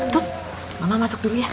tut mama masuk dulu ya